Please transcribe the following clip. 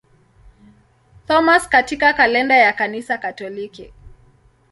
Thomas katika kalenda ya Kanisa Katoliki.